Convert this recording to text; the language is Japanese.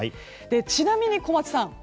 ちなみに、小松さん